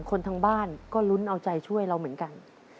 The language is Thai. คนทางบ้านก็ลุ้นเอาใจช่วยเราเหมือนกัน